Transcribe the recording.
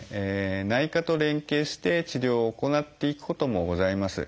内科と連携して治療を行っていくこともございます。